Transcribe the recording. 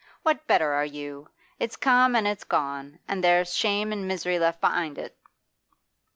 What better are you? It's come an' it's gone, an' there's shame an' misery left be'ind it!